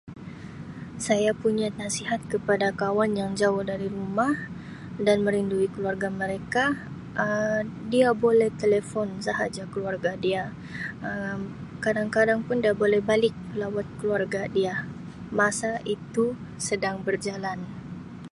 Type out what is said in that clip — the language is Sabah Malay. Saya punya nasihat kepada kawan yang jauh dari rumah dan merindui keluarga mereka Um dia boleh telefon sahaja keluarga dia Um kadang-kadang pun dia boleh balik lawat keluarga dia masa itu sedang berjalan.